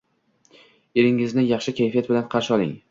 Eringizni yaxshi kayfiyat bilan qarshi oling.